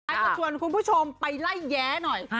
จะชวนคุณผู้ชมไปไล่แย้หน่อย